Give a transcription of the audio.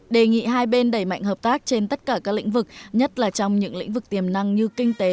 đề nghị hai bên đẩy mạnh hợp tác trên tất cả các lĩnh vực nhất là trong những lĩnh vực tiềm năng như kinh tế